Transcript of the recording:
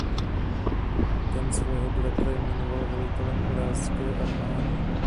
Ten svého bratra jmenoval velitelem irácké armády.